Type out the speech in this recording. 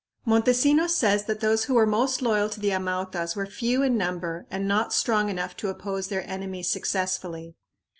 Montesinos says that those who were most loyal to the Amautas were few in number and not strong enough to oppose their enemies successfully.